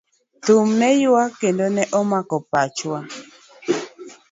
Thum ne yuak kendo ne omako pachwa.